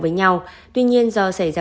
với nhau tuy nhiên do xảy ra